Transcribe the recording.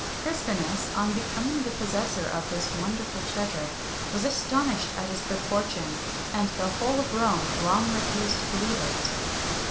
Crispinus, on becoming the possessor of this wonderful treasure, was astonished at his good fortune, and the whole of Rome long refused to believe it.